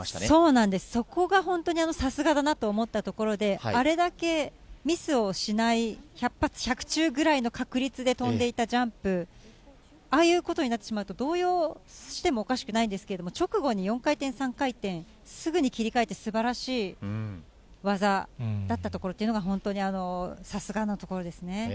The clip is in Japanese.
そうなんです、そこが本当にさすがだなと思ったところで、あれだけミスをしない、百発百中ぐらいの確率で跳んでいたジャンプ、ああいうことになってしまうと、動揺してもおかしくないんですけれども、直後に４回転３回転、すぐに切り替えて、すばらしい技だったところというのが、本当にさすがのところですね。